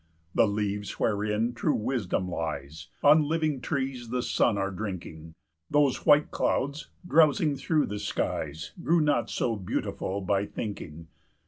20 "The leaves wherein true wisdom lies On living trees the sun are drinking; Those white clouds, drowsing through the skies, Grew not so beautiful by thinking.